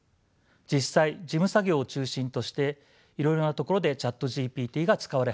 実際事務作業を中心としていろいろなところでＣｈａｔＧＰＴが使われ始めています。